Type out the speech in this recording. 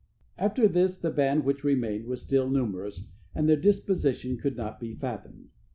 After this the band which remained was still numerous, and their disposition could not be fathomed.